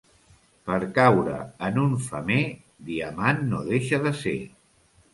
Per caure en un femer, diamant no deixa de ser.